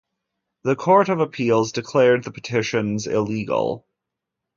The Court of Appeals declared the petitions illegal.